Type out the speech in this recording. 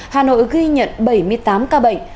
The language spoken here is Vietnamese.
hà nội ghi nhận bảy mươi tám ca bệnh